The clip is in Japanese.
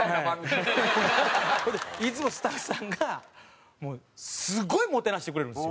いつもスタッフさんがすごいもてなしてくれるんですよ。